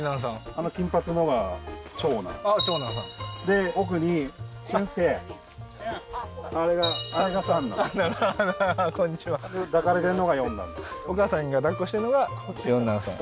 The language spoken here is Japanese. あの金髪のが長男あっ長男さんで奥に駿介あれが三男ははははっこんにちは抱かれてるのが四男お母さんがだっこしてるのが四男さん